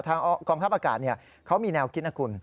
กองทัพอากาศเขามีแนวคิดนะคุณ